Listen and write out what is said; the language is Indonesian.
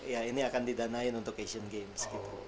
ya ini akan didanain untuk asian games gitu